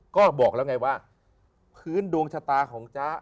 ก็บอกแล้วไงว่าพื้นดวงชะตาของจ๊ะ